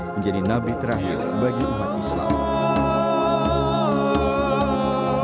menjadi nabi terakhir bagi umat islam